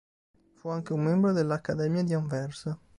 Fu anche un membro della Accademia di Anversa.